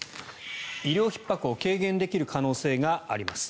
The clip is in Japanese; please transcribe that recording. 医療ひっ迫を軽減できる可能性があります。